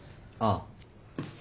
ああ。